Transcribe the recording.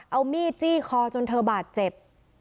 เอามีดจี้คอจนเธอบาดเจ็บ